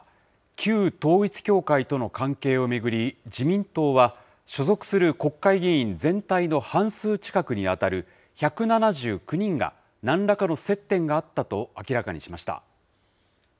旧統一教会との関係を巡り、自民党は、所属する国会議員全体の半数近くに当たる１７９人が、なんらかの接点があったと明らかにしました。